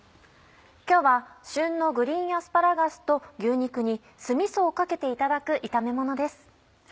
今日は旬のグリーンアスパラガスと牛肉に酢みそをかけていただく炒めものです。